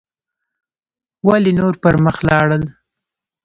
ولې نور پر مخ لاړل